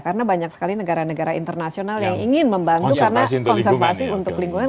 karena banyak sekali negara negara internasional yang ingin membantu konservasi untuk lingkungan